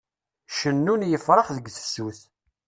Cennun yefṛax deg tefsut.